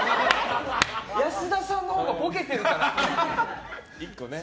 保田さんのほうがボケているから。